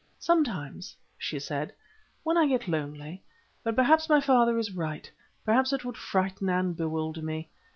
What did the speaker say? "Sometimes," she said, "when I get lonely. But perhaps my father is right—perhaps it would frighten and bewilder me.